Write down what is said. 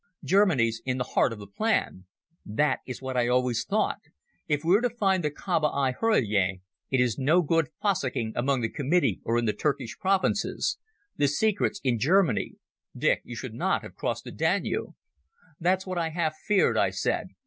"Germany's in the heart of the plan. That is what I always thought. If we're to find the Kaába i hurriyeh it is no good fossicking among the Committee or in the Turkish provinces. The secret's in Germany. Dick, you should not have crossed the Danube." "That's what I half feared," I said.